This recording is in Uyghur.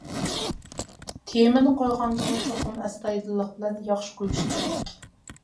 تېمىنى قويغاندىمۇ چوقۇم ئەستايىدىللىق بىلەن ياخشى قويۇش كېرەك.